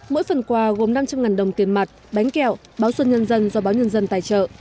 mỗi phần quà gồm năm trăm linh đồng tiền mặt bánh kẹo báo xuân nhân dân do báo nhân dân tài trợ